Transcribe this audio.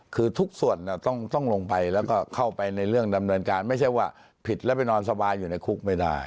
คือทุกส่วนต้องลงไปแล้วก็เข้าไปในเรื่องดำเนินการไม่ใช่ว่าผิดแล้วไปนอนสบายอยู่ในคุกไม่ได้